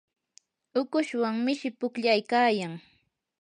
ukushwan mishi pukllaykayan.